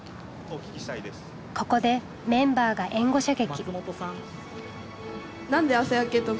ここでメンバーが援護射撃。